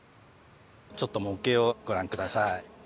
ちょっと模型をご覧下さい。